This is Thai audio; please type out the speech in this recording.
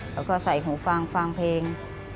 เขาก็ใส่หูฟังฟังเพลง